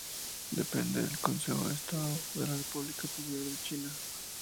Depende del Consejo de Estado de la República Popular China.